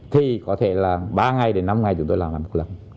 thì có thể là ba ngày đến năm ngày chúng tôi làm ngày một lần